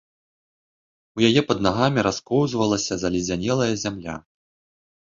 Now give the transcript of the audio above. У яе пад нагамі раскоўзвалася заледзянелая зямля.